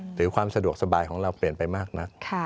หรือความสะดวกสบายของเราเปลี่ยนไปมากนัก